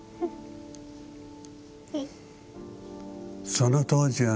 その当時はね